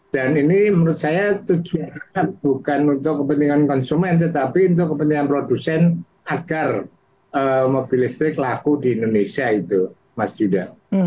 dan ini menurut saya tujuan bukan untuk kepentingan konsumen tetapi untuk kepentingan produsen agar mobil listrik laku di indonesia itu mas juda